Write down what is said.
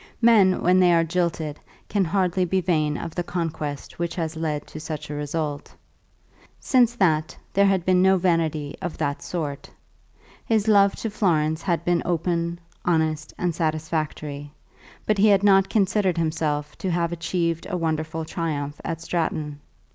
Men when they are jilted can hardly be vain of the conquest which has led to such a result. Since that there had been no vanity of that sort. His love to Florence had been open, honest, and satisfactory, but he had not considered himself to have achieved a wonderful triumph at Stratton.